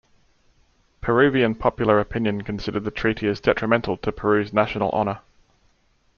Peruvian popular opinion considered the treaty as detrimental to Peru's national honor.